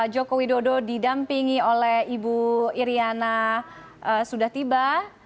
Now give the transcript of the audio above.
joko widodo didampingi oleh ibu iryana sudatiba